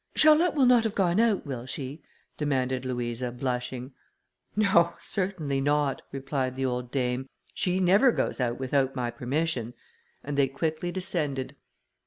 "Charlotte will not have gone out, will she?" demanded Louisa, blushing. "No! certainly not," replied the old dame, "she never goes out without my permission;" and they quickly descended.